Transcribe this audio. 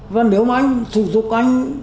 và nếu mà anh thủ tục anh